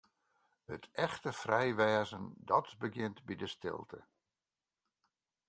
It echte frij wêzen, dat begjint by de stilte.